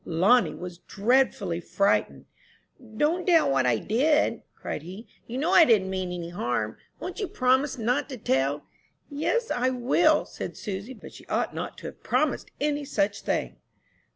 Lonnie was dreadfully frightened. "Don't tell that I did it!" cried he. "You know I didn't mean any harm. Won't you promise not to tell?" "Yes, I will," said Susy; but she ought not to have promised any such thing.